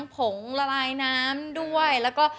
สวัสดีค่ะ